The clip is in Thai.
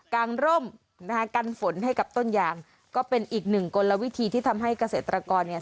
งร่มนะคะกันฝนให้กับต้นยางก็เป็นอีกหนึ่งกลวิธีที่ทำให้เกษตรกรเนี่ย